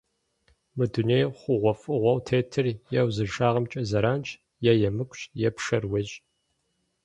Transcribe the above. Мы дунейм хъугъуэфӏыгъуэу тетыр е узыншагъэмкӏэ зэранщ, е емыкӏущ, е пшэр уещӏ.